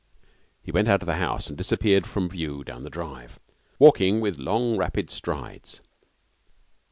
He went out of the house and disappeared from view down the drive, walking with long, rapid strides.